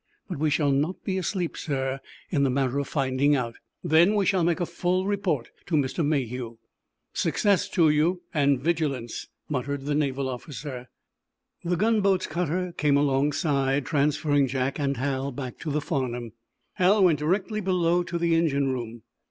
But we shall not be asleep, sir, in the matter of finding out. Then we shall make a full report to Mr. Mayhew." "Success to you—and vigilance!" muttered the naval officer. The gunboat's cutter came alongside, transferring Jack and Hal back to the "Farnum." Hal went directly below to the engine room.